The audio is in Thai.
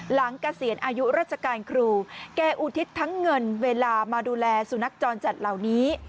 เกษียณอายุราชการครูแกอุทิศทั้งเงินเวลามาดูแลสุนัขจรจัดเหล่านี้